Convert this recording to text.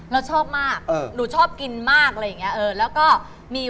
เราชอบมากหนูชอบกินมากอะไรอย่างนี้